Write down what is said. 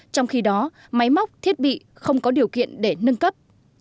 trong khi đó máy móc thiết bị không có điều kiện để nâng cấp